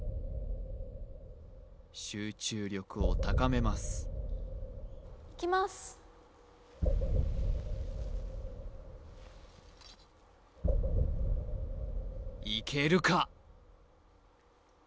集中力を高めますいきますいけるか？